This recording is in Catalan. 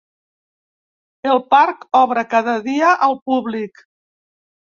El parc obre cada dia al públic.